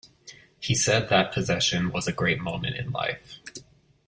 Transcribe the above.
He said that possession was a great moment in life.